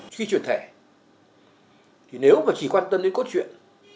khi chuyển thể nếu mà chỉ quan tâm đến cốt truyện